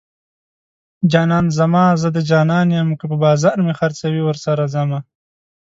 جانان زما زه د جانان یم که په بازار مې خرڅوي ورسره ځمه